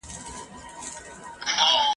د رنځ علاج مو یو دی، یو مو دی درمان وطنه ..